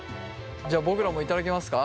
じゃあ僕らも頂きますか？